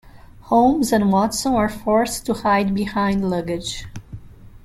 Holmes and Watson are forced to hide behind luggage.